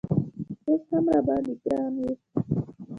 اوس هم راباندې ګران یې